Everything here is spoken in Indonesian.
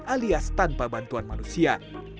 alias tanpa bantuan manusia